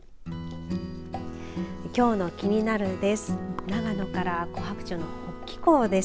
きょうのキニナル！です。